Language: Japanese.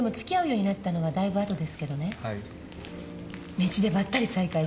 道でばったり再会して。